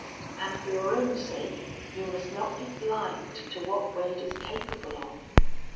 And for your own sake you must not be blind to what Wade is capable of.